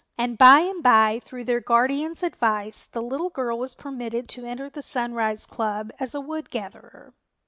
And by and by through their guardian's advice the little girl was permitted to enter the Sunrise club as a Wood Gatherer.